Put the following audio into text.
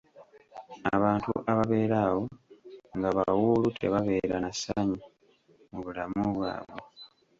Abantu ababeera awo nga bawuulu tebabeera nassanyu mu bulamu bwabwe.